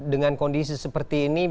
dengan kondisi seperti ini